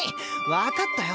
分かったよ！